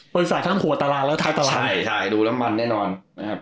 บริษัททั้งหัวตารางแล้วทางตารางใช่ใช่ดูลำมันแน่นอนนะครับ